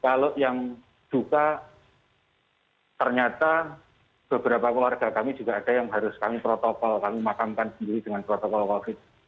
kalau yang duka ternyata beberapa keluarga kami juga ada yang harus kami protokol kami makamkan sendiri dengan protokol covid